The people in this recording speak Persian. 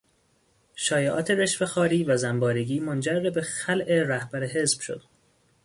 شایعات رشوهخواری و زنبارگی منجر به خلع رهبر حزب شد.